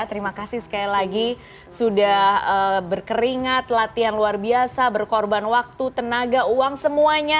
terima kasih sekali lagi sudah berkeringat latihan luar biasa berkorban waktu tenaga uang semuanya